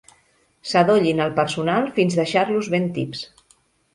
Sadollin el personal fins deixar-los ben tips.